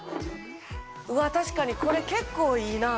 うわっ、確かにこれ、結構いいな。